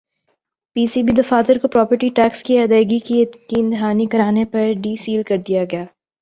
پی C B دفاتر کو property tax کی ادائیگی کی یقین دہانی کرانے پر ڈی سیل کر دیا گیا